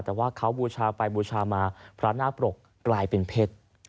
แต่ว่าเขาบูชาไปบูชามาพระนาคปรกกลายเป็นเพชร